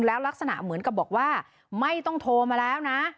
แล้วลักษณะเหมือนกับบอกว่าไม่ต้องโทรมาแล้วนะ